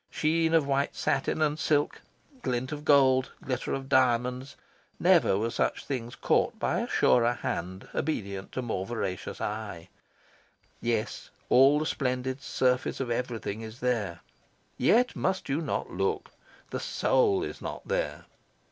Sheen of white satin and silk, glint of gold, glitter of diamonds never were such things caught by surer hand obedient to more voracious eye. Yes, all the splendid surface of everything is there. Yet must you not look. The soul is not there.